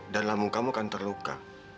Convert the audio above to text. dan lambung kamu akan terluka